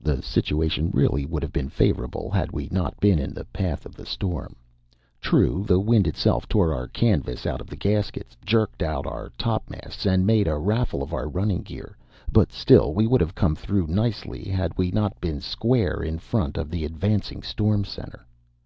The situation really would have been favorable had we not been in the path of the storm. True, the wind itself tore our canvas out of the gaskets, jerked out our topmasts, and made a raffle of our running gear, but still we would have come through nicely had we not been square in front of the advancing storm center.